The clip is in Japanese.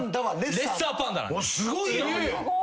すごいやん！